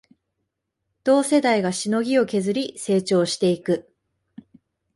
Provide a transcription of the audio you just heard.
同世代がしのぎを削り成長していく